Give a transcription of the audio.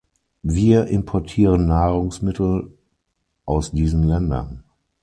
Wir importieren Nahrungsmittel aus diesen Ländern.